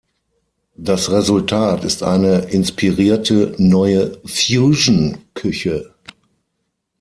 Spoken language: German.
Das Resultat ist eine inspirierte, neue Fusion-Küche.